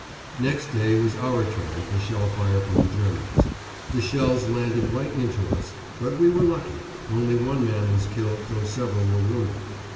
Next day was our turn for shell fire from the Germans. The shells landed right into us, but we were lucky only one man was killed though several were wounded.